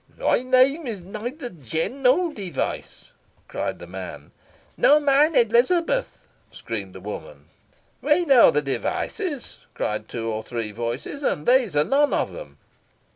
"My name is nother Jem nor Device," cried the man. "Nor mine Elizabeth," screamed the woman. "We know the Devices," cried two or three voices, "and these are none of 'em."